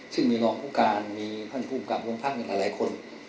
ซึ่งมีรองคู่การมีพันธุ์คู่กรรมร่วมพักกันหลายคน